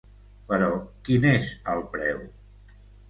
Però quin n’és el preu?